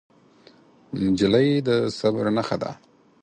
نجلۍ د صبر نښه ده.